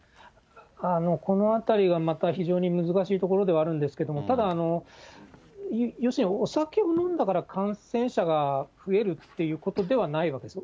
このあたりがまた、非常に難しいところではあるんですけれども、ただ、要するにお酒を飲んだから感染者が増えるっていうことではないわけですね。